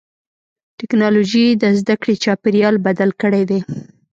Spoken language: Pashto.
ټکنالوجي د زدهکړې چاپېریال بدل کړی دی.